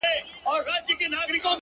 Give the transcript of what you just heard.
نن د سيند پر غاړه روانــــېـــــــــږمه،